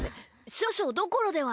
少々どころでは！